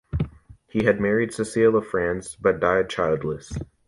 He had married Cecile of France, but died childless.